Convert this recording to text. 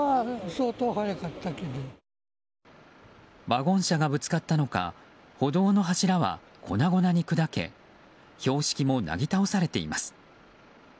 ワゴン車がぶつかったのか歩道の柱は粉々に砕け標識もなぎ倒されています。